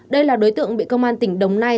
đây là đối tượng bị công an tỉnh đồng nai